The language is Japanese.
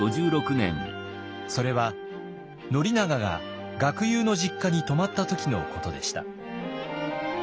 それは宣長が学友の実家に泊まった時のことでした。